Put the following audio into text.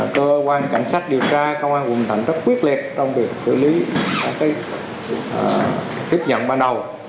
cơ quan cảnh sát điều tra công an quận thành rất quyết liệt trong việc xử lý các tiếp nhận ban đầu